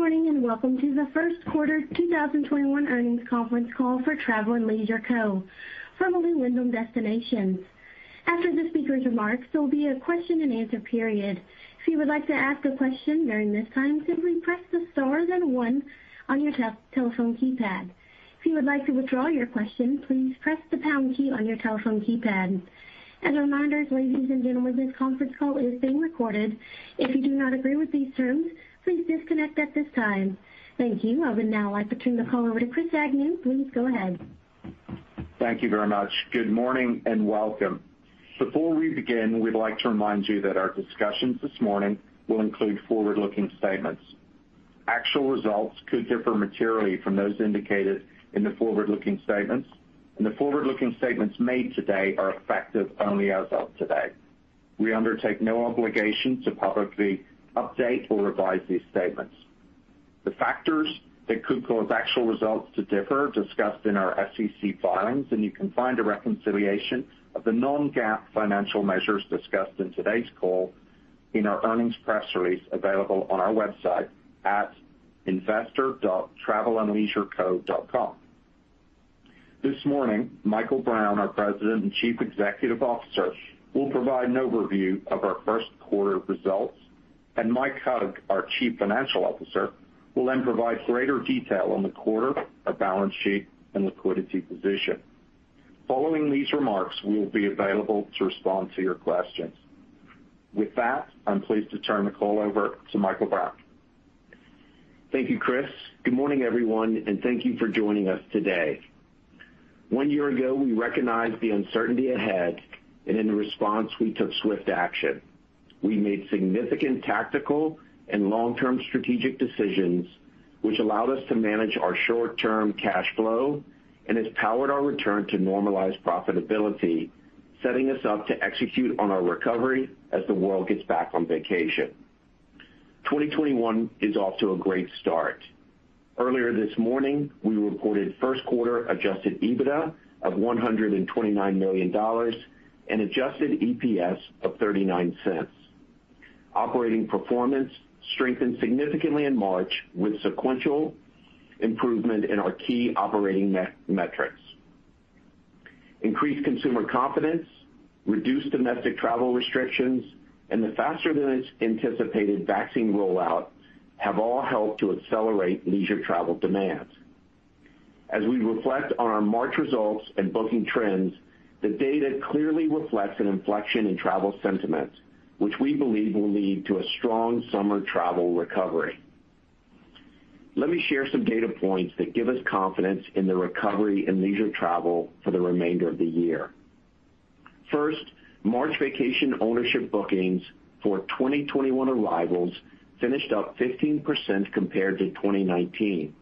Good morning. Welcome to the First Quarter 2021 Earnings Conference Call for Travel + Leisure Co., formerly Wyndham Destinations. After the speakers' remarks, there will be a question and answer period. If you would like to ask a question during this time, simply press the star then one on your telephone keypad. If you would like to withdraw your question, please press the pound key on your telephone keypad. As a reminder, ladies and gentlemen, this conference call is being recorded. If you do not agree with these terms, please disconnect at this time. Thank you. I would now like to turn the call over to Chris Agnew. Please go ahead. Thank you very much. Good morning and welcome. Before we begin, we'd like to remind you that our discussions this morning will include forward-looking statements. Actual results could differ materially from those indicated in the forward-looking statements, and the forward-looking statements made today are effective only as of today. We undertake no obligation to publicly update or revise these statements. The factors that could cause actual results to differ are discussed in our SEC filings, and you can find a reconciliation of the non-GAAP financial measures discussed in today's call in our earnings press release available on our website at investor.travelandleisureco.com. This morning, Michael Brown, our President and Chief Executive Officer, will provide an overview of our first quarter results, and Mike Hug, our Chief Financial Officer, will then provide greater detail on the quarter, our balance sheet, and liquidity position. Following these remarks, we will be available to respond to your questions. With that, I'm pleased to turn the call over to Michael Brown. Thank you, Chris. Good morning, everyone, and thank you for joining us today. One year ago, we recognized the uncertainty ahead, and in response, we took swift action. We made significant tactical and long-term strategic decisions, which allowed us to manage our short-term cash flow and has powered our return to normalized profitability, setting us up to execute on our recovery as the world gets back on vacation. 2021 is off to a great start. Earlier this morning, we reported first quarter adjusted EBITDA of $129 million and adjusted EPS of $0.39. Operating performance strengthened significantly in March with sequential improvement in our key operating metrics. Increased consumer confidence, reduced domestic travel restrictions, and the faster-than-anticipated vaccine rollout have all helped to accelerate leisure travel demand. As we reflect on our March results and booking trends, the data clearly reflects an inflection in travel sentiment, which we believe will lead to a strong summer travel recovery. Let me share some data points that give us confidence in the recovery in leisure travel for the remainder of the year. First, March Vacation Ownership bookings for 2021 arrivals finished up 15% compared to 2019,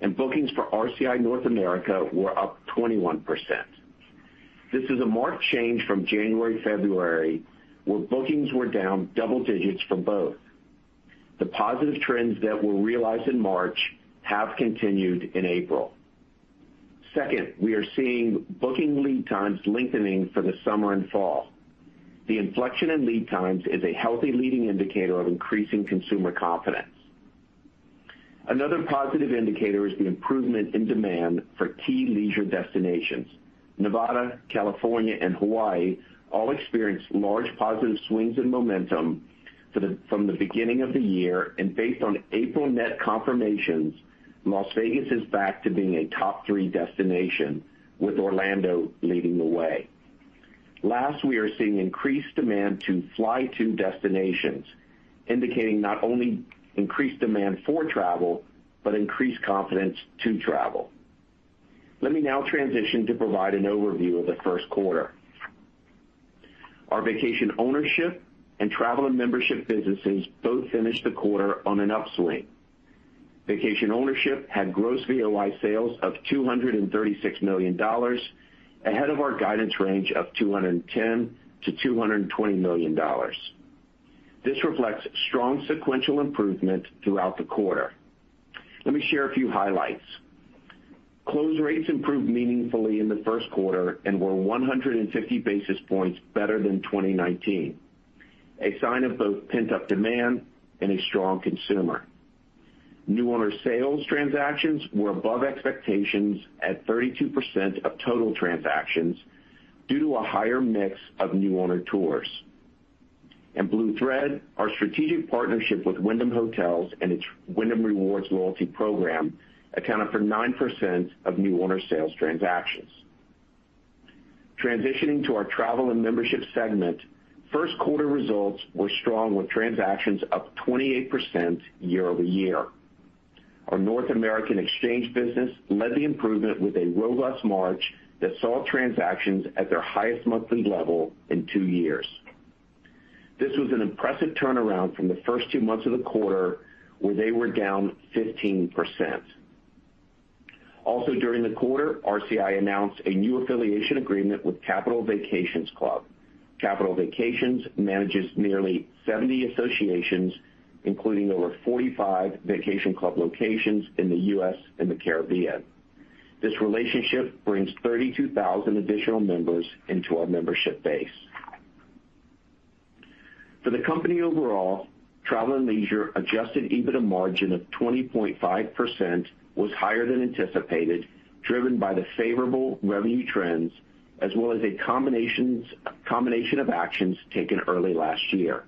and bookings for RCI North America were up 21%. This is a marked change from January-February, where bookings were down double digits for both. The positive trends that were realized in March have continued in April. Second, we are seeing booking lead times lengthening for the summer and fall. The inflection in lead times is a healthy leading indicator of increasing consumer confidence. Another positive indicator is the improvement in demand for key leisure destinations. Nevada, California, and Hawaii all experienced large positive swings in momentum from the beginning of the year. Based on April net confirmations, Las Vegas is back to being a top 3 destination, with Orlando leading the way. Last, we are seeing increased demand to fly to destinations, indicating not only increased demand for travel but increased confidence to travel. Let me now transition to provide an overview of the first quarter. Our Vacation Ownership and Travel and Membership businesses both finished the quarter on an upswing. Vacation Ownership had gross VOI sales of $236 million, ahead of our guidance range of $210 million-$220 million. This reflects strong sequential improvement throughout the quarter. Let me share a few highlights. Close rates improved meaningfully in the first quarter and were 150 basis points better than 2019, a sign of both pent-up demand and a strong consumer. New owner sales transactions were above expectations at 32% of total transactions due to a higher mix of new owner tours. In Blue Thread, our strategic partnership with Wyndham Hotels and its Wyndham Rewards loyalty program accounted for 9% of new owner sales transactions. Transitioning to our Travel and Membership segment, first quarter results were strong with transactions up 28% year-over-year. Our North American exchange business led the improvement with a robust March that saw transactions at their highest monthly level in two years. This was an impressive turnaround from the first two months of the quarter, where they were down 15%. Also during the quarter, RCI announced a new affiliation agreement with Capital Vacations Club. Capital Vacations manages nearly 70 associations, including over 45 vacation club locations in the U.S. and the Caribbean. This relationship brings 32,000 additional members into our membership base. For the company overall, Travel + Leisure adjusted EBITDA margin of 20.5% was higher than anticipated, driven by the favorable revenue trends as well as a combination of actions taken early last year.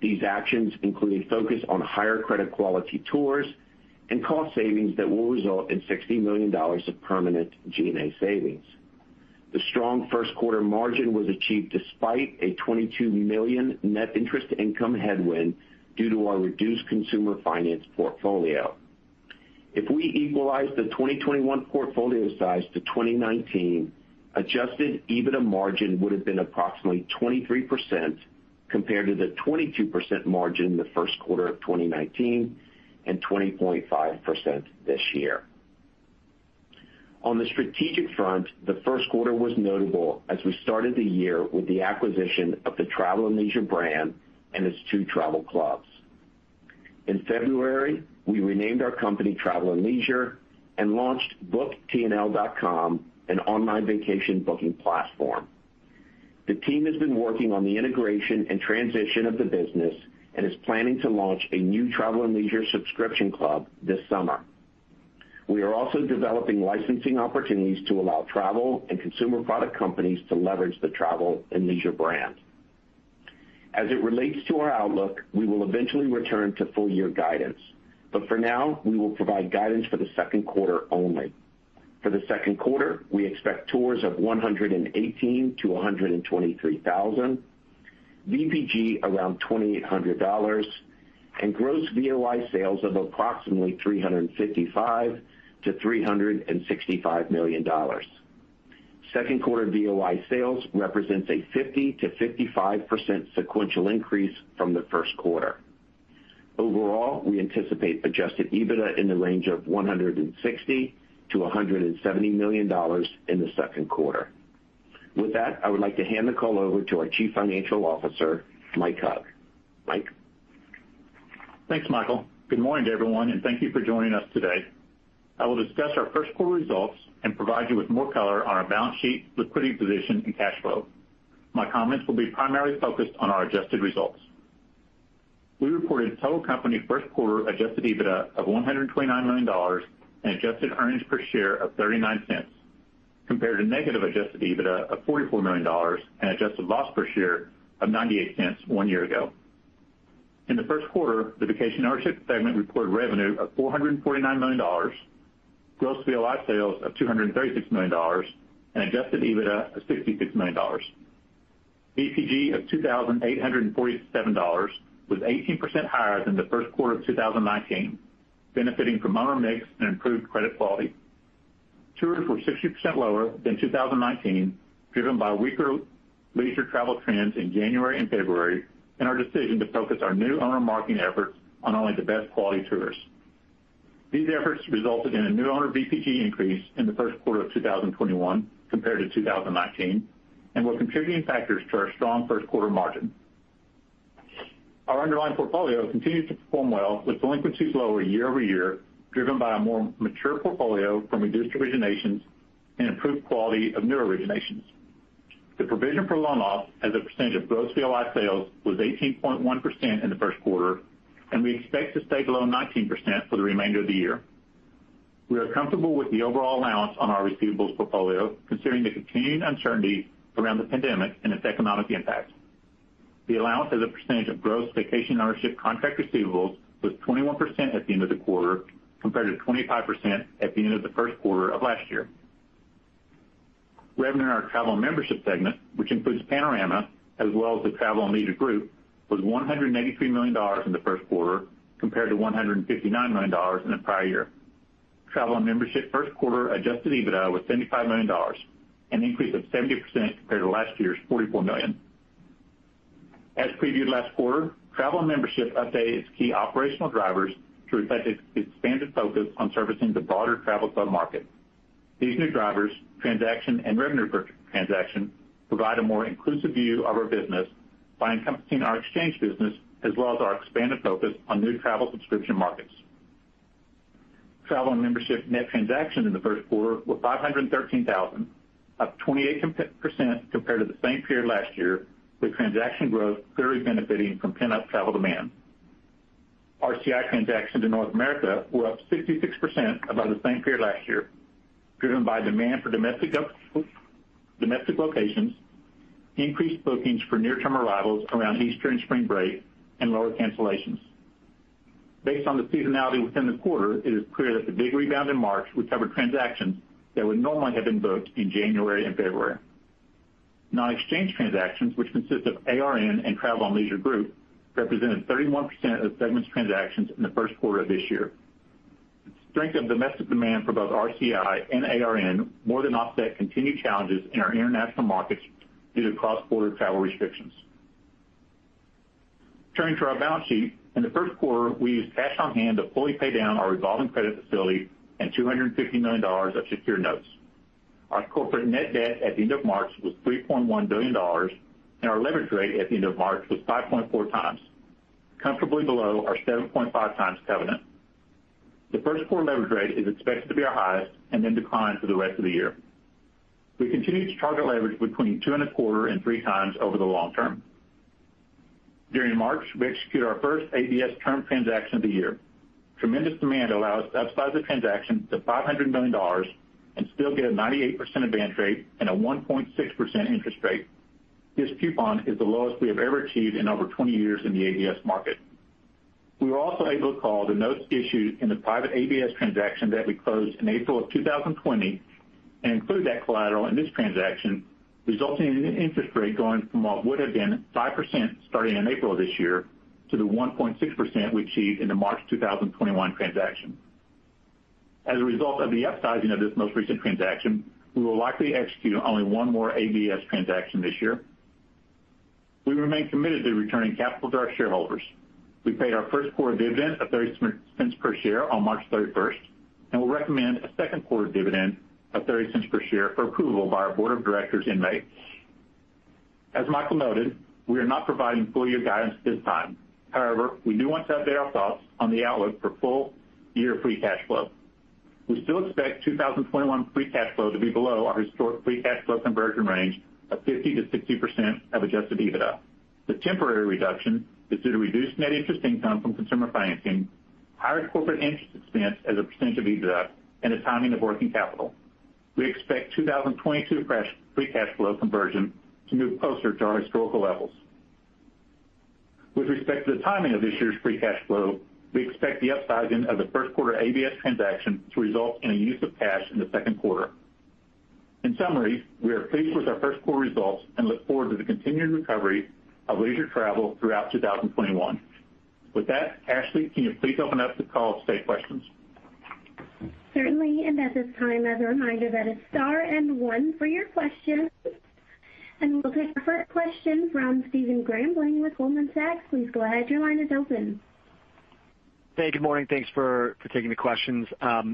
These actions include a focus on higher credit quality tours and cost savings that will result in $60 million of permanent G&A savings. The strong first quarter margin was achieved despite a $22 million net interest income headwind due to our reduced consumer finance portfolio. If we equalize the 2021 portfolio size to 2019, adjusted EBITDA margin would've been approximately 23% compared to the 22% margin in the first quarter of 2019 and 20.5% this year. On the strategic front, the first quarter was notable as we started the year with the acquisition of the Travel + Leisure brand and its two travel clubs. In February, we renamed our company Travel + Leisure and launched booktnl.com, an online vacation booking platform. The team has been working on the integration and transition of the business and is planning to launch a new Travel + Leisure subscription club this summer. We are also developing licensing opportunities to allow travel and consumer product companies to leverage the Travel + Leisure brand. As it relates to our outlook, we will eventually return to full year guidance, but for now, we will provide guidance for the second quarter only. For the second quarter, we expect tours of 118,000-123,000, VPG around $2,800, and gross VOI sales of approximately $355 million-$365 million. Second quarter VOI sales represents a 50%-55% sequential increase from the first quarter. Overall, we anticipate adjusted EBITDA in the range of $160 million-$170 million in the second quarter. With that, I would like to hand the call over to our Chief Financial Officer, Mike Hug. Mike? Thanks, Michael. Good morning to everyone, and thank you for joining us today. I will discuss our first quarter results and provide you with more color on our balance sheet, liquidity position, and cash flow. My comments will be primarily focused on our adjusted results. We reported total company first quarter adjusted EBITDA of $129 million and adjusted earnings per share of $0.39 compared to negative adjusted EBITDA of $44 million and adjusted loss per share of $0.98 one year ago. In the first quarter, the Vacation Ownership segment reported revenue of $449 million, gross VOI sales of $236 million and adjusted EBITDA of $66 million. VPG of $2,847 was 18% higher than the first quarter of 2019, benefiting from owner mix and improved credit quality. Tours were 60% lower than 2019, driven by weaker leisure travel trends in January and February and our decision to focus our new owner marketing efforts on only the best quality tours. These efforts resulted in a new owner VPG increase in the First quarter of 2021 compared to 2019 and were contributing factors to our strong first quarter margin. Our underlying portfolio continues to perform well with delinquencies lower year-over-year, driven by a more mature portfolio from reduced originations and improved quality of new originations. The provision for loan loss as a percentage of gross VOI sales was 18.1% in the first quarter, and we expect to stay below 19% for the remainder of the year. We are comfortable with the overall allowance on our receivables portfolio, considering the continuing uncertainty around the pandemic and its economic impact. The allowance as a percentage of gross vacation ownership contract receivables was 21% at the end of the quarter, compared to 25% at the end of the first quarter of last year. Revenue in our Travel and Membership segment, which includes Panorama as well as the Travel + Leisure Group, was $193 million in the first quarter compared to $159 million in the prior year. Travel and Membership first quarter adjusted EBITDA was $75 million, an increase of 70% compared to last year's $44 million. As previewed last quarter, Travel and Membership updated its key operational drivers to reflect its expanded focus on servicing the broader travel club market. These new drivers, transaction and revenue per transaction, provide a more inclusive view of our business by encompassing our exchange business as well as our expanded focus on new travel subscription markets. Travel and Membership net transactions in the first quarter were 513,000, up 28% compared to the same period last year, with transaction growth clearly benefiting from pent-up travel demand. RCI transactions in North America were up 66% above the same period last year, driven by demand for domestic locations, increased bookings for near-term arrivals around Easter and spring break, and lower cancellations. Based on the seasonality within the quarter, it is clear that the big rebound in March recovered transactions that would normally have been booked in January and February. Non-exchange transactions, which consist of ARN and Travel + Leisure Group, represented 31% of the segment's transactions in the first quarter of this year. The strength of domestic demand for both RCI and ARN more than offset continued challenges in our international markets due to cross-border travel restrictions. Turning to our balance sheet, in the first quarter, we used cash on hand to fully pay down our revolving credit facility and $250 million of secured notes. Our corporate net debt at the end of March was $3.1 billion, and our leverage rate at the end of March was 5.4x, comfortably below our 7.5x covenant. The first quarter leverage rate is expected to be our highest and then decline for the rest of the year. We continue to target leverage between two and a quarter and three times over the long term. During March, we executed our first ABS term transaction of the year. Tremendous demand allowed us to upsize the transaction to $500 million and still get a 98% advance rate and a 1.6% interest rate. This coupon is the lowest we have ever achieved in over 20 years in the ABS market. We were also able to call the notes issued in the private ABS transaction that we closed in April of 2020 and include that collateral in this transaction, resulting in an interest rate going from what would have been 5% starting in April this year to the 1.6% we achieved in the March 2021 transaction. As a result of the upsizing of this most recent transaction, we will likely execute only one more ABS transaction this year. We remain committed to returning capital to our shareholders. We paid our first quarter dividend of $0.30 per share on March 31st, and we'll recommend a second quarter dividend of $0.30 per share for approval by our board of directors in May. As Michael noted, we are not providing full year guidance at this time. However, we do want to update our thoughts on the outlook for full year free cash flow. We still expect 2021 free cash flow to be below our historic free cash flow conversion range of 50%-60% of adjusted EBITDA. The temporary reduction is due to reduced net interest income from consumer financing, higher corporate interest expense as a percent of EBITDA, and the timing of working capital. We expect 2022 free cash flow conversion to move closer to our historical levels. With respect to the timing of this year's free cash flow, we expect the upsizing of the first quarter ABS transaction to result in a use of cash in the second quarter. In summary, we are pleased with our first quarter results and look forward to the continued recovery of leisure travel throughout 2021. With that, Ashley, can you please open up the call to take questions? Certainly, at this time, as a reminder, that is star and one for your questions. We'll take our first question from Stephen Grambling with Goldman Sachs. Please go ahead, your line is open. Hey, good morning. Thanks for taking the questions. I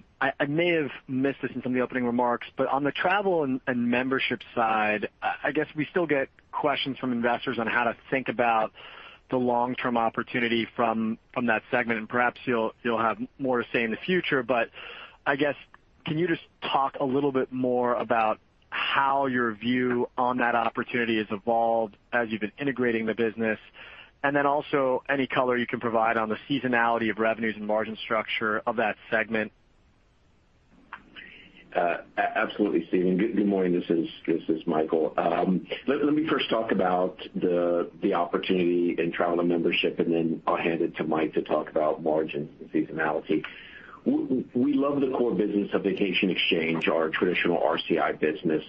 may have missed this in some of the opening remarks, but on the Travel and Membership side, I guess we still get questions from investors on how to think about the long-term opportunity from that segment. Perhaps you'll have more to say in the future, but I guess, can you just talk a little bit more about how your view on that opportunity has evolved as you've been integrating the business? Also any color you can provide on the seasonality of revenues and margin structure of that segment. Absolutely, Stephen. Good morning. This is Michael. Let me first talk about the opportunity in Travel and Membership, and then I'll hand it to Mike to talk about margins and seasonality. We love the core business of Vacation Exchange, our traditional RCI business.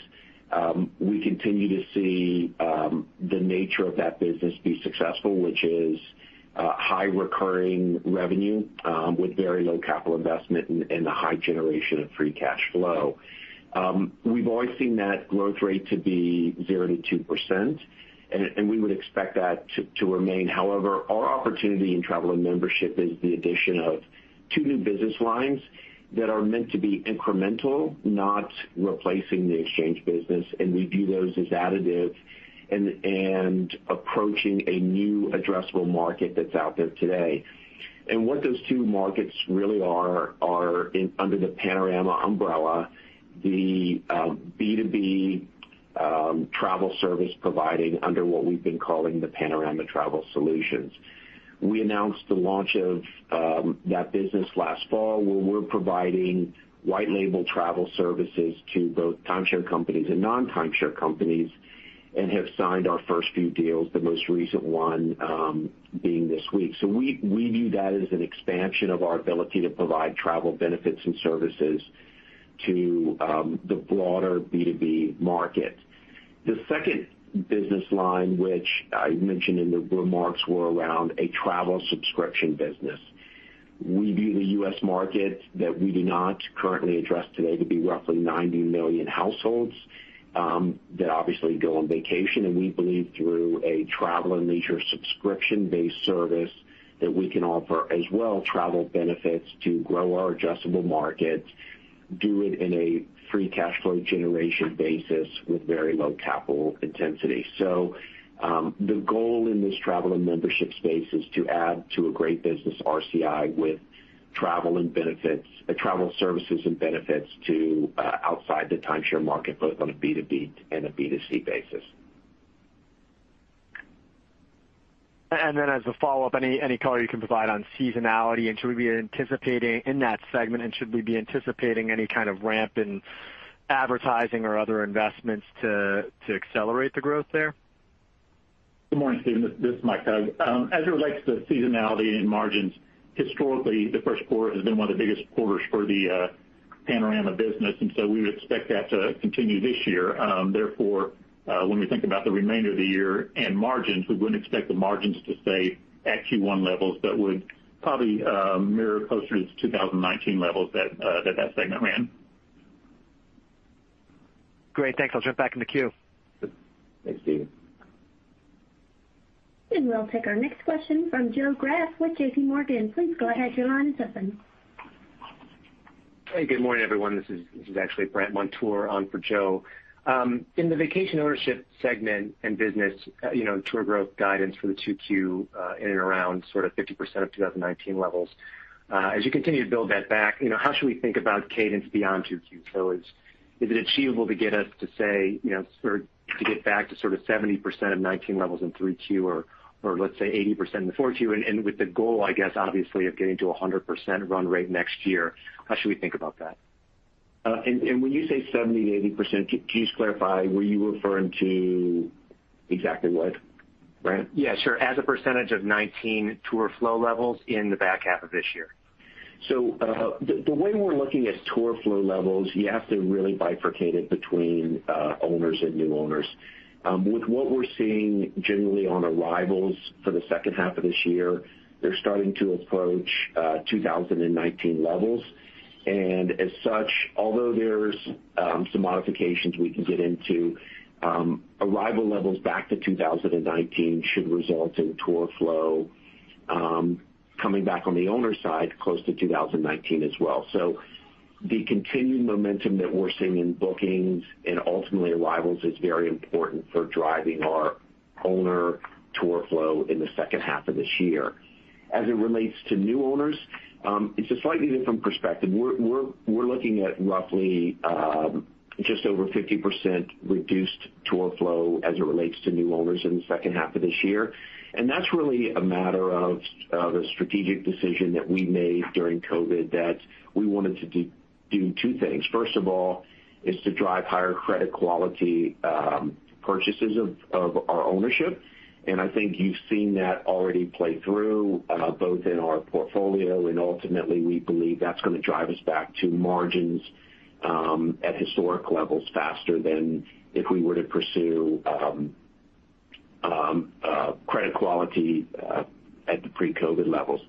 We continue to see the nature of that business be successful, which is high recurring revenue with very low capital investment and a high generation of free cash flow. We've always seen that growth rate to be 0%-2%, and we would expect that to remain. However, our opportunity in Travel and Membership is the addition of two new business lines that are meant to be incremental, not replacing the exchange business, and we view those as additive and approaching a new addressable market that's out there today. What those two markets really are under the Panorama umbrella, the B2B travel service providing under what we've been calling the Panorama Travel Solutions. We announced the launch of that business last fall, where we are providing white label travel services to both timeshare companies and non-timeshare companies, and have signed our first few deals, the most recent one being this week. We view that as an expansion of our ability to provide travel benefits and services to the broader B2B market. The second business line, which I mentioned in the remarks, were around a travel subscription business. We view the U.S. market that we do not currently address today to be roughly 90 million households that obviously go on vacation. We believe through a Travel + Leisure subscription-based service that we can offer as well travel benefits to grow our addressable markets, do it in a free cash flow generation basis with very low capital intensity. The goal in this Travel and Membership space is to add to a great business, RCI, with travel services and benefits to outside the timeshare market, both on a B2B and a B2C basis. As a follow-up, any color you can provide on seasonality in that segment, and should we be anticipating any kind of ramp in advertising or other investments to accelerate the growth there? Good morning, Stephen. This is Mike Hug. As it relates to seasonality and margins, historically, the first quarter has been one of the biggest quarters for the Panorama business, and so we would expect that to continue this year. Therefore, when we think about the remainder of the year and margins, we wouldn't expect the margins to stay at Q1 levels. That would probably mirror closer to 2019 levels that segment ran. Great. Thanks. I'll jump back in the queue. Thanks, Stephen. We'll take our next question from Joe Greff with JPMorgan. Please go ahead, your line is open. Hey, good morning, everyone. This is actually Brandt Montour on for Joe. In the Vacation Ownership segment and business, tour growth guidance for the 2Q in and around sort of 50% of 2019 levels. As you continue to build that back, how should we think about cadence beyond 2Q? Is it achievable to get back to sort of 70% of 2019 levels in 3Q or let's say 80% in the 4Q, and with the goal, I guess, obviously, of getting to 100% run rate next year, how should we think about that? When you say 70%-80%, can you just clarify, were you referring to exactly what, Brandt? Yeah, sure. As a percent of 2019 tour flow levels in the back half of this year. The way we're looking at tour flow levels, you have to really bifurcate it between owners and new owners. With what we're seeing generally on arrivals for the second half of this year, they're starting to approach 2019 levels. As such, although there's some modifications we can get into, arrival levels back to 2019 should result in tour flow coming back on the owner side close to 2019 as well. The continued momentum that we're seeing in bookings and ultimately arrivals is very important for driving our owner tour flow in the second half of this year. As it relates to new owners, it's a slightly different perspective. We're looking at roughly just over 50% reduced tour flow as it relates to new owners in the second half of this year. That's really a matter of the strategic decision that we made during COVID that we wanted to do two things. First of all, is to drive higher credit quality purchases of our ownership. I think you've seen that already play through both in our portfolio and ultimately we believe that's going to drive us back to margins at historic levels faster than if we were to pursue credit quality at the pre-COVID levels.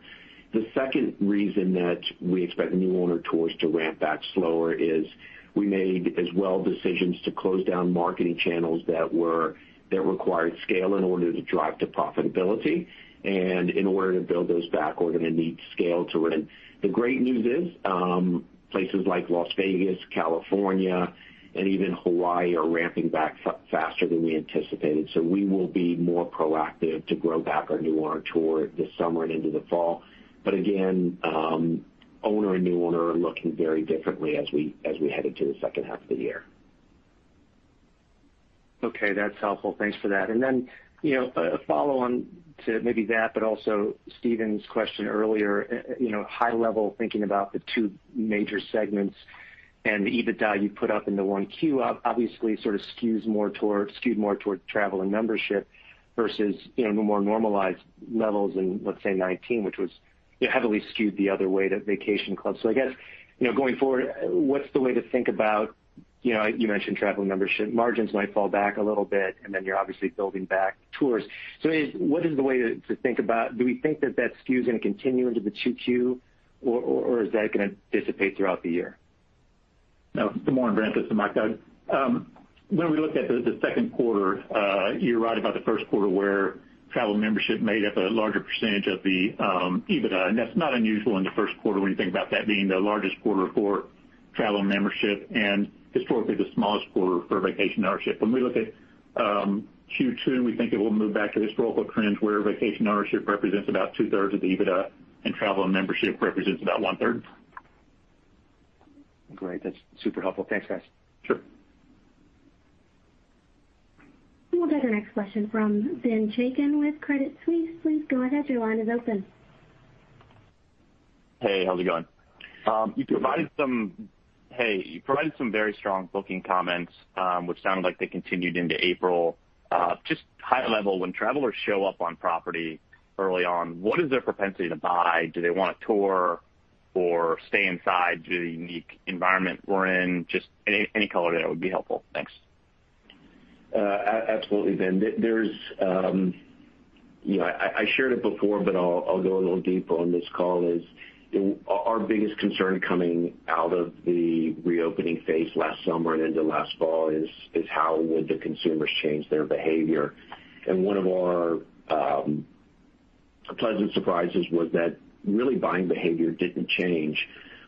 The second reason that we expect new owner tours to ramp back slower is we made as well decisions to close down marketing channels that required scale in order to drive to profitability. In order to build those back, we're going to need scale to win. The great news is places like Las Vegas, California, and even Hawaii are ramping back faster than we anticipated. We will be more proactive to grow back our new owner tour this summer and into the fall. Again, owner and new owner are looking very differently as we head into the second half of the year. Okay, that's helpful. Thanks for that. A follow on to maybe that, but also Stephen's question earlier, high-level thinking about the two major segments and the EBITDA you put up in the 1Q obviously sort of skewed more towards Travel and Membership versus the more normalized levels in 2019, which was heavily skewed the other way to Vacation Ownership. I guess going forward, what's the way to think about? You mentioned Travel and Membership margins might fall back a little bit, and then you're obviously building back tours. Do we think that that skew is going to continue into the 2Q, or is that going to dissipate throughout the year? Good morning, Brandt. This is Mike Hug. When we look at the second quarter, you're right about the first quarter where Travel and Membership made up a larger percentage of the EBITDA, and that's not unusual in the first quarter when you think about that being the largest quarter for Travel and Membership and historically the smallest quarter for Vacation Ownership. When we look at Q2, we think it will move back to historical trends where Vacation Ownership represents about two-thirds of the EBITDA and Travel and Membership represents about 1/3. Great. That's super helpful. Thanks, guys. Sure. We'll get our next question from Ben Chaiken with Credit Suisse. Please go ahead, your line is open. Hey, how's it going? You provided some very strong booking comments, which sounded like they continued into April. Just high level, when travelers show up on property early on, what is their propensity to buy? Do they want to tour or stay inside due to the unique environment we're in? Just any color there would be helpful. Thanks. Absolutely, Ben. I shared it before, but I'll go a little deeper on this call is our biggest concern coming out of the reopening phase last summer and into last fall is how would the consumers change their behavior? One of our pleasant surprises was that really buying behavior didn't change.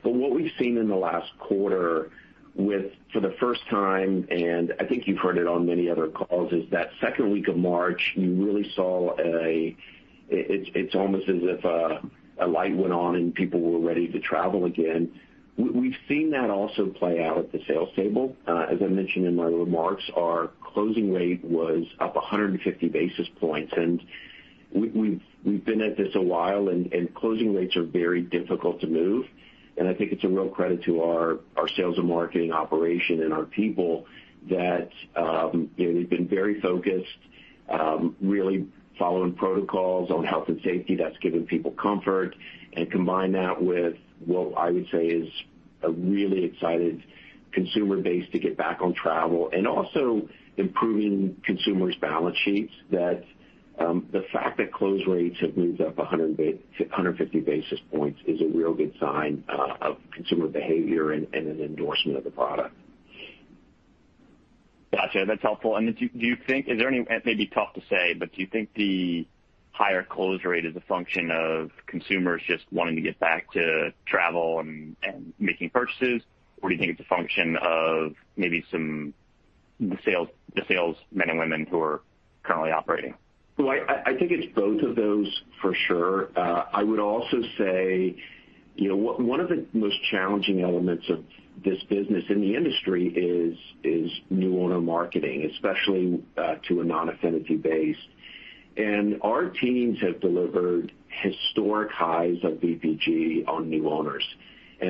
What we've seen in the last quarter for the first time, and I think you've heard it on many other calls, is that second week of March, you really saw It's almost as if a light went on and people were ready to travel again. We've seen that also play out at the sales table. As I mentioned in my remarks, our closing rate was up 150 basis points, and we've been at this a while, and closing rates are very difficult to move. I think it's a real credit to our sales and marketing operation and our people that we've been very focused, really following protocols on health and safety that's given people comfort. Combine that with what I would say is a really excited consumer base to get back on travel and also improving consumers' balance sheets that the fact that close rates have moved up 150 basis points is a real good sign of consumer behavior and an endorsement of the product. Got you. That's helpful. It may be tough to say, but do you think the higher close rate is a function of consumers just wanting to get back to travel and making purchases? Or do you think it's a function of maybe the sales men and women who are currently operating? Well, I think it's both of those for sure. I would also say one of the most challenging elements of this business in the industry is new owner marketing, especially to a non-affinity base. Our teams have delivered historic highs of VPG on new owners.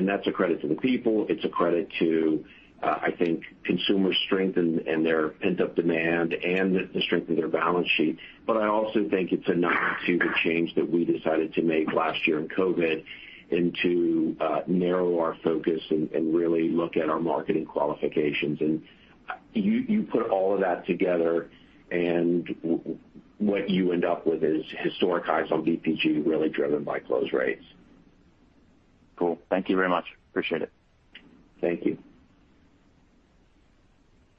That's a credit to the people. It's a credit to, I think, consumer strength and their pent-up demand, and the strength of their balance sheet. I also think it's a nod to the change that we decided to make last year in COVID and to narrow our focus and really look at our marketing qualifications. You put all of that together, and what you end up with is historic highs on VPG really driven by close rates. Cool. Thank you very much. Appreciate it. Thank you.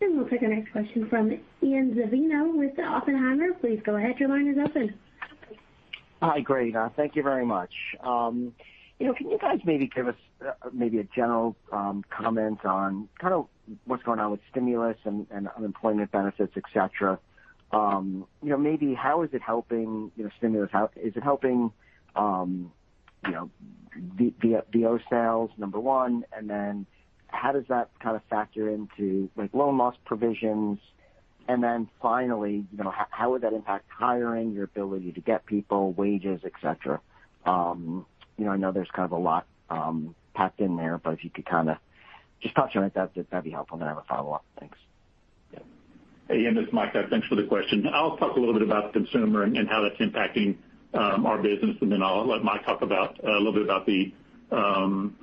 We'll take our next question from Ian Zaffino with Oppenheimer. Hi, great. Thank you very much. Can you guys maybe give us a general comment on what's going on with stimulus and unemployment benefits, et cetera? Maybe how is it helping stimulus? Is it helping VO sales, number one, and then how does that factor into loan loss provisions? Finally, how would that impact hiring, your ability to get people, wages, et cetera? I know there's a lot packed in there, but if you could just touch on it, that'd be helpful. I have a follow-up. Thanks. Hey, Ian, this is Mike. Thanks for the question. I'll talk a little bit about the consumer and how that's impacting our business, and then I'll let Mike talk a little bit about the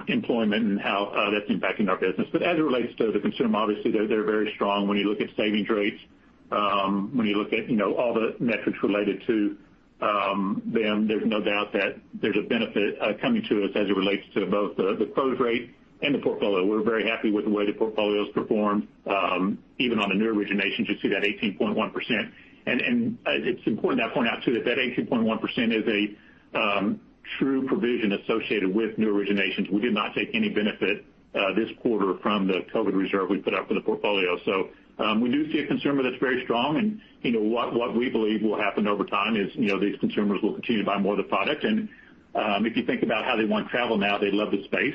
employment and how that's impacting our business. As it relates to the consumer, obviously, they're very strong when you look at savings rates. When you look at all the metrics related to them, there's no doubt that there's a benefit coming to us as it relates to both the close rate and the portfolio. We're very happy with the way the portfolio has performed. Even on the new originations, you see that 18.1%. It's important that I point out too that that 18.1% is a true provision associated with new originations. We did not take any benefit this quarter from the COVID reserve we put up for the portfolio. We do see a consumer that's very strong. What we believe will happen over time is these consumers will continue to buy more of the product. If you think about how they want to travel now, they love the space.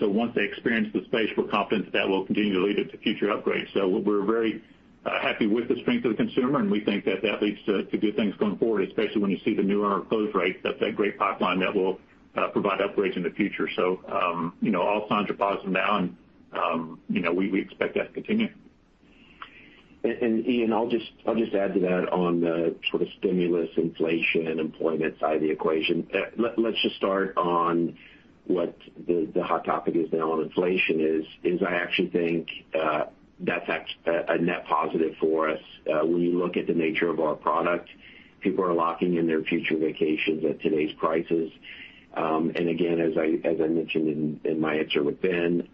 Once they experience the space, we're confident that that will continue to lead to future upgrades. We're very happy with the strength of the consumer, and we think that that leads to good things going forward, especially when you see the new owner close rates. That's a great pipeline that will provide upgrades in the future. All signs are positive now, and we expect that to continue. Ian, I'll just add to that on the sort of stimulus inflation employment side of the equation. Let's just start on what the hot topic is now on inflation is I actually think that's a net positive for us. When you look at the nature of our product, people are locking in their future vacations at today's prices. Again, as I mentioned in my answer with Ben,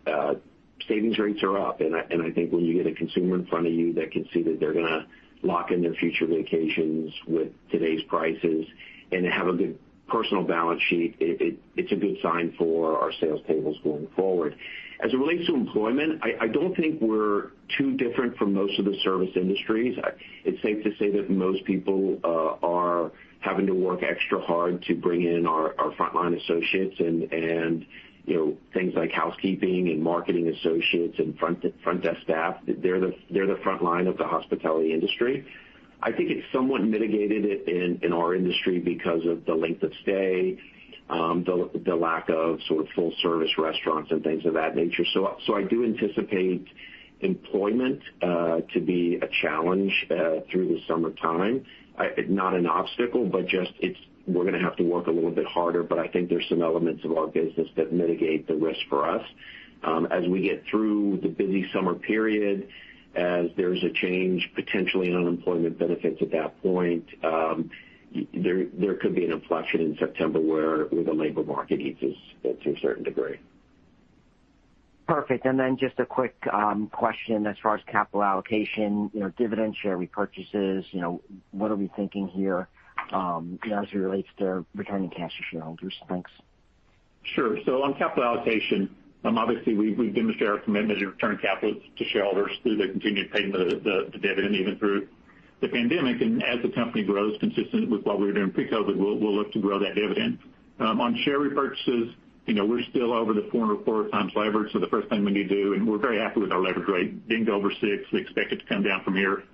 savings rates are up. I think when you get a consumer in front of you that can see that they're going to lock in their future vacations with today's prices and have a good personal balance sheet, it's a good sign for our sales tables going forward. As it relates to employment, I don't think we're too different from most of the service industries. It's safe to say that most people are having to work extra hard to bring in our frontline associates and things like housekeeping and marketing associates and front desk staff. They're the front line of the hospitality industry. I think it's somewhat mitigated in our industry because of the length of stay, the lack of full-service restaurants and things of that nature. I do anticipate employment to be a challenge through the summertime. Not an obstacle, just we're going to have to work a little bit harder. I think there's some elements of our business that mitigate the risk for us. As we get through the busy summer period, as there's a change potentially in unemployment benefits at that point, there could be an inflection in September where the labor market eases to a certain degree. Perfect. Just a quick question as far as capital allocation, dividend share repurchases, what are we thinking here as it relates to returning cash to shareholders? Thanks. Sure. On capital allocation, obviously we've demonstrated our commitment to return capital to shareholders through the continued payment of the dividend even through the pandemic. As the company grows consistent with what we were doing pre-COVID, we'll look to grow that dividend. On share repurchases, we're still over the four and a quarter times leverage. The first thing we need to do, and we're very happy with our leverage rate being over six. We expect it to come down from here.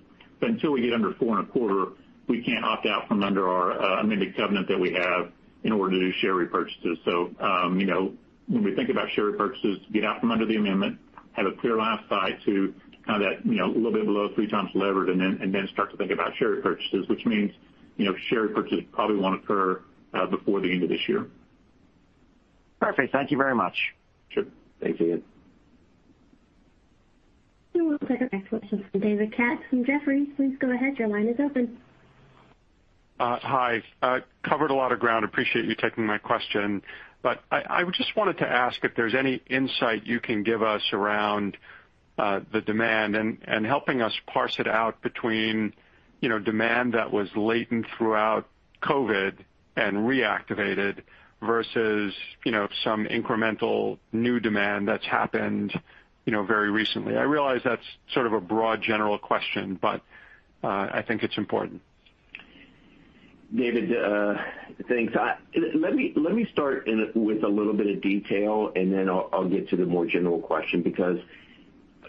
Until we get under four and a quarter, we can't opt out from under our amended covenant that we have in order to do share repurchases. When we think about share repurchases, get out from under the amendment, have a clear line of sight to kind of that little bit below 3x levered, and then start to think about share repurchases, which means share repurchases probably won't occur before the end of this year. Perfect. Thank you very much. Sure. Thanks, Ian. We'll take our next question from David Katz from Jefferies. Please go ahead. Your line is open. Hi. Covered a lot of ground. Appreciate you taking my question. I just wanted to ask if there's any insight you can give us around the demand and helping us parse it out between demand that was latent throughout COVID and reactivated versus some incremental new demand that's happened very recently. I realize that's sort of a broad general question. I think it's important. David, thanks. Let me start with a little bit of detail, then I'll get to the more general question, because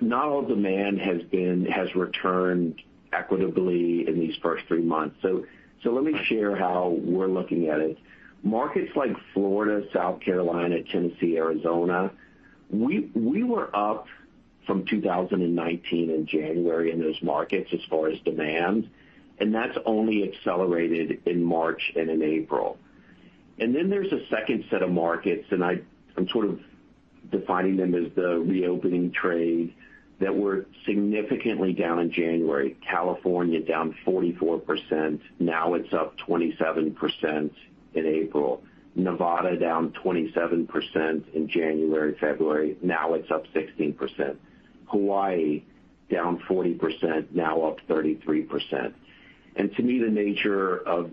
not all demand has returned equitably in these first three months. Let me share how we're looking at it. Markets like Florida, South Carolina, Tennessee, Arizona, we were up from 2019 in January in those markets as far as demand, that's only accelerated in March and in April. There's a second set of markets, and I'm sort of defining them as the reopening trade that were significantly down in January. California, down 44%, now it's up 27% in April. Nevada, down 27% in January, February, now it's up 16%. Hawaii, down 40%, now up 33%. To me, the nature of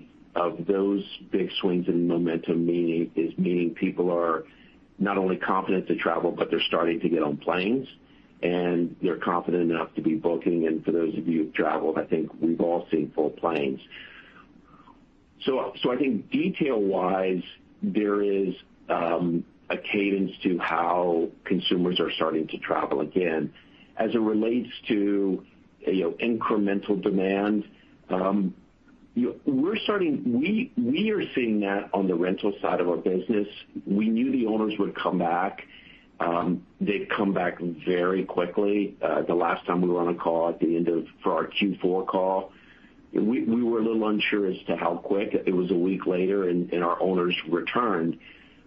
those big swings in momentum is meaning people are not only confident to travel, but they're starting to get on planes, and they're confident enough to be booking. For those of you who've traveled, I think we've all seen full planes. I think detail-wise, there is a cadence to how consumers are starting to travel again. As it relates to incremental demand, we are seeing that on the rental side of our business. We knew the owners would come back. They've come back very quickly. The last time we were on a call at the end of our Q4 call, we were a little unsure as to how quick. It was a week later, and our owners returned.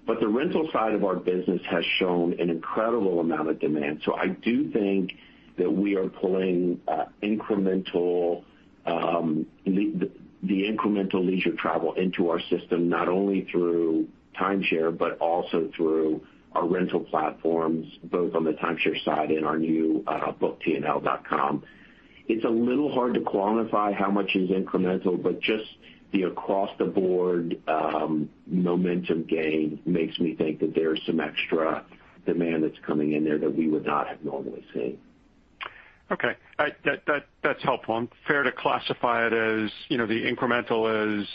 The rental side of our business has shown an incredible amount of demand. I do think that we are pulling the incremental leisure travel into our system, not only through timeshare, but also through our rental platforms, both on the timeshare side and our new booktnl.com. It's a little hard to quantify how much is incremental, but just the across-the-board momentum gain makes me think that there's some extra demand that's coming in there that we would not have normally seen. Okay. That's helpful. Fair to classify it as the incremental is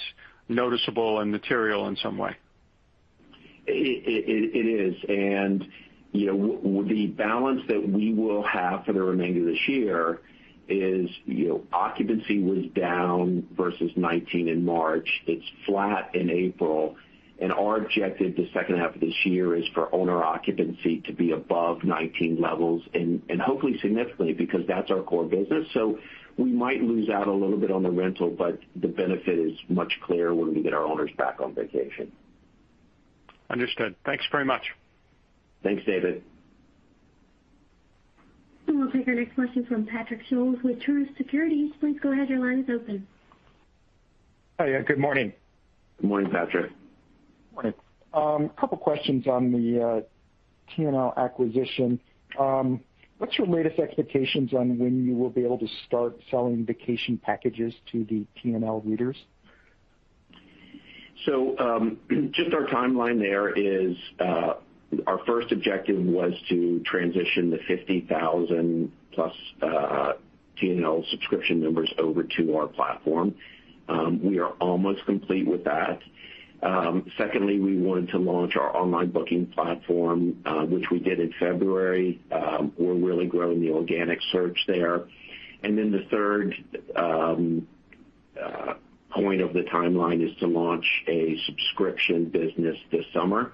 noticeable and material in some way. It is, the balance that we will have for the remainder of this year is occupancy was down versus 2019 in March. It's flat in April. Our objective the second half of this year is for owner occupancy to be above 2019 levels and hopefully significantly, because that's our core business. We might lose out a little bit on the rental, but the benefit is much clearer when we get our owners back on vacation. Understood. Thanks very much. Thanks, David. We'll take our next question from Patrick Scholes with Truist Securities. Please go ahead. Your line is open. Hi. Good morning. Good morning, Patrick. Morning. Couple questions on the TNL acquisition. What's your latest expectations on when you will be able to start selling vacation packages to the TNL readers? Just our timeline there is our first objective was to transition the 50,000+ TNL subscription members over to our platform. We are almost complete with that. Secondly, we wanted to launch our online booking platform, which we did in February. We're really growing the organic search there. The third point of the timeline is to launch a subscription business this summer.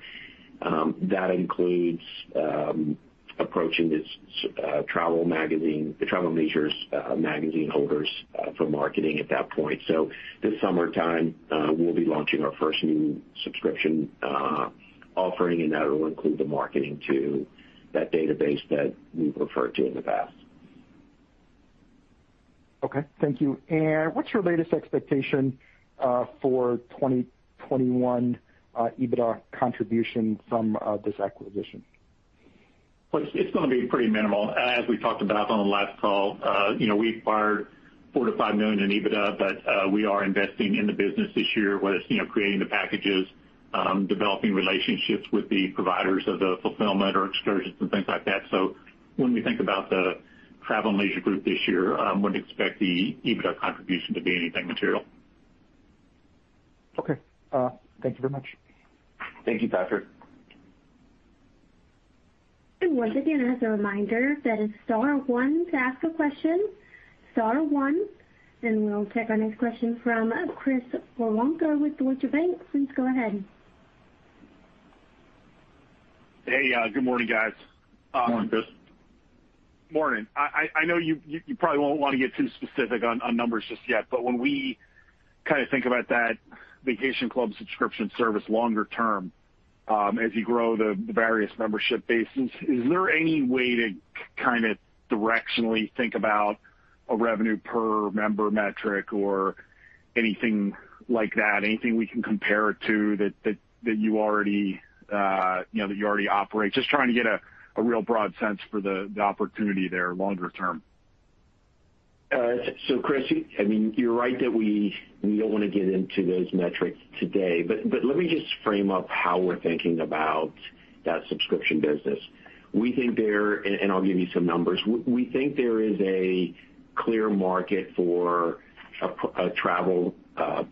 That includes approaching the Travel + Leisure magazine holders for marketing at that point. This summertime, we'll be launching our first new subscription offering, and that will include the marketing to that database that we've referred to in the past. Okay. Thank you. What's your latest expectation for 2021 EBITDA contribution from this acquisition? It's going to be pretty minimal. As we talked about on the last call, we acquired $4 million-$5 million in EBITDA, but we are investing in the business this year, whether it's creating the packages, developing relationships with the providers of the fulfillment or excursions and things like that. When we think about the Travel + Leisure Group this year, I wouldn't expect the EBITDA contribution to be anything material. Okay. Thank you very much. Thank you, Patrick. Once again, as a reminder, that is star one to ask a question. Star one. We'll take our next question from Chris Woronka with Deutsche Bank. Please go ahead. Hey, good morning, guys. Morning, Chris. Morning. I know you probably won't want to get too specific on numbers just yet, but when we think about that vacation club subscription service longer term. As you grow the various membership bases, is there any way to directionally think about a revenue per member metric or anything like that? Anything we can compare it to that you already operate? Just trying to get a real broad sense for the opportunity there longer term. Chris, you're right that we don't want to get into those metrics today. Let me just frame up how we're thinking about that subscription business. I'll give you some numbers. We think there is a clear market for a travel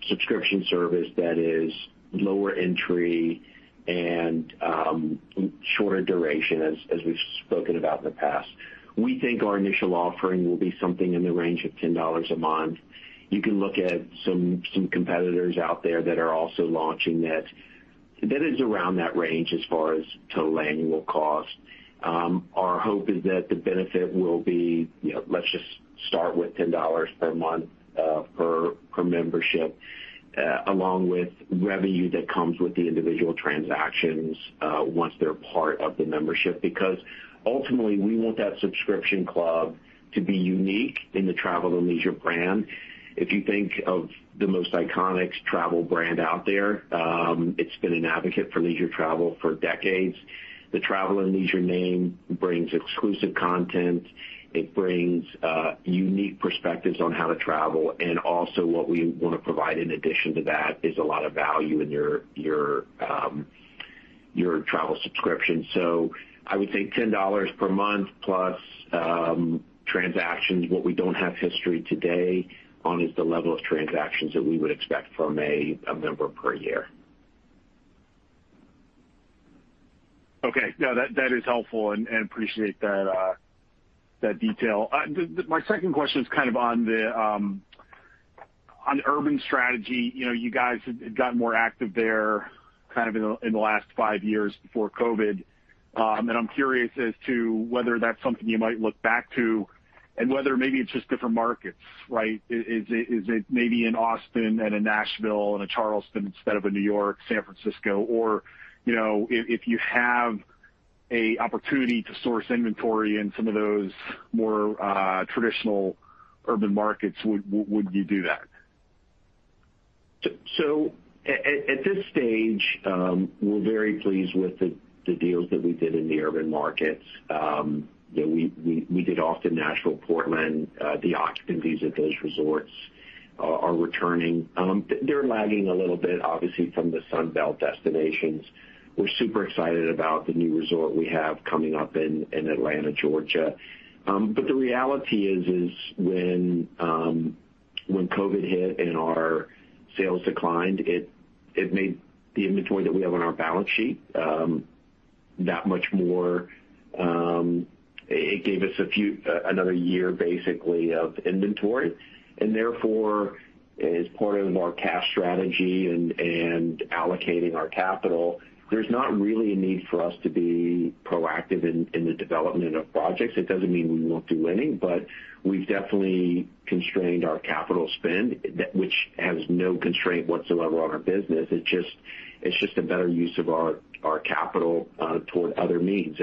subscription service that is lower entry and shorter duration, as we've spoken about in the past. We think our initial offering will be something in the range of $10 a month. You can look at some competitors out there that are also launching that. That is around that range as far as total annual cost. Our hope is that the benefit will be, let's just start with $10 per month per membership, along with revenue that comes with the individual transactions once they're part of the membership. Ultimately, we want that subscription club to be unique in the Travel + Leisure brand. If you think of the most iconic travel brand out there, it's been an advocate for leisure travel for decades. The Travel + Leisure name brings exclusive content, it brings unique perspectives on how to travel, and also what we want to provide in addition to that is a lot of value in your travel subscription. I would say $10 per month plus transactions. What we don't have history today on is the level of transactions that we would expect from a member per year. Okay. No, that is helpful, and appreciate that detail. My second question is on the urban strategy. You guys had gotten more active there in the last five years before COVID. I'm curious as to whether that's something you might look back to, and whether maybe it's just different markets, right? Is it maybe in Austin and in Nashville and in Charleston instead of in New York, San Francisco, or if you have a opportunity to source inventory in some of those more traditional urban markets, would you do that? At this stage, we're very pleased with the deals that we did in the urban markets, that we did Austin, Nashville, Portland. The occupancies at those resorts are returning. They're lagging a little bit, obviously, from the Sun Belt destinations. We're super excited about the new resort we have coming up in Atlanta, Georgia. The reality is, when COVID hit and our sales declined, it made the inventory that we have on our balance sheet that much more. It gave us another year, basically, of inventory. Therefore, as part of our cash strategy and allocating our capital, there's not really a need for us to be proactive in the development of projects. It doesn't mean we won't do any, but we've definitely constrained our capital spend, which has no constraint whatsoever on our business. It's just a better use of our capital toward other means.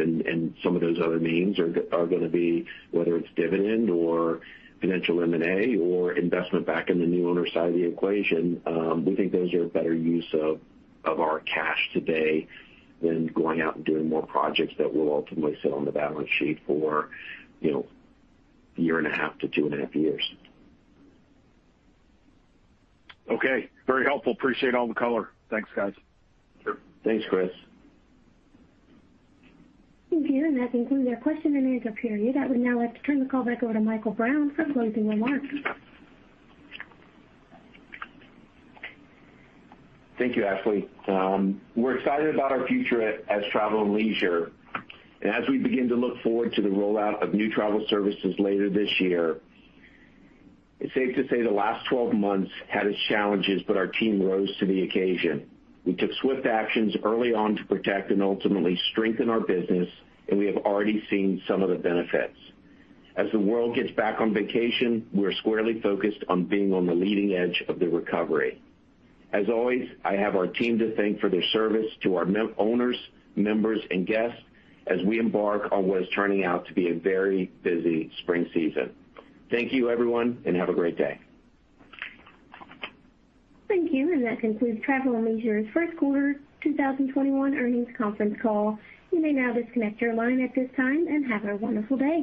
Some of those other means are going to be, whether it's dividend or potential M&A or investment back in the new owner side of the equation. We think those are a better use of our cash today than going out and doing more projects that will ultimately sit on the balance sheet for a year and a half to two and a half years. Okay. Very helpful. Appreciate all the color. Thanks, guys. Sure. Thanks, Chris. Thank you. That concludes our question and answer period. I would now like to turn the call back over to Michael Brown for closing remarks. Thank you, Ashley. We're excited about our future as Travel + Leisure, as we begin to look forward to the rollout of new travel services later this year. It's safe to say the last 12 months had its challenges, our team rose to the occasion. We took swift actions early on to protect and ultimately strengthen our business, we have already seen some of the benefits. As the world gets back on vacation, we're squarely focused on being on the leading edge of the recovery. As always, I have our team to thank for their service to our owners, members, and guests as we embark on what is turning out to be a very busy spring season. Thank you, everyone, have a great day. Thank you. That concludes Travel + Leisure Co.'s First Quarter 2021 Earnings Conference Call. You may now disconnect your line at this time, and have a wonderful day.